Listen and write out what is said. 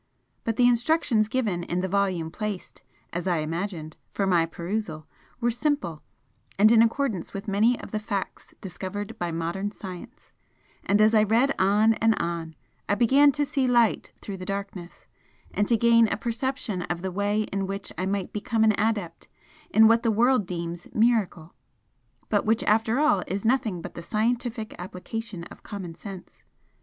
But the instructions given in the volume placed, as I imagined, for my perusal, were simple and in accordance with many of the facts discovered by modern science, and as I read on and on I began to see light through the darkness, and to gain a perception of the way in which I might become an adept in what the world deems 'miracle,' but which after all is nothing but the scientific application of common sense.